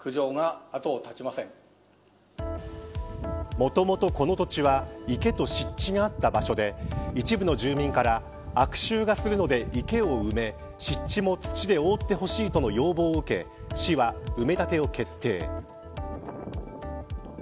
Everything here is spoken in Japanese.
もともとこの土地は池と湿地があった場所で一部の住民から悪臭がするので池を埋め湿地も土で覆ってほしいとの要望を受け市は、埋め立てを決定。